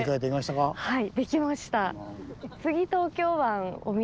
はい。